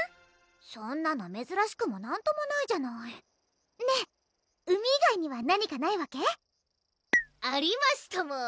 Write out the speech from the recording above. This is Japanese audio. そんなのめずらしくもなんともないじゃないねぇ海以外には何かないわけ？ありますとも！